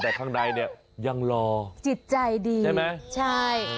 แต่ข้างในเนี่ยยังรอจิตใจดีใช่ไหมใช่